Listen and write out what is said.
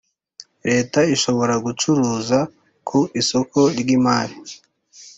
leta ishobora gucuruza ku isoko ry imari